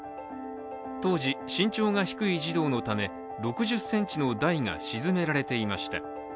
当時、身長が低い児童のため６０ｃｍの台が沈められていました。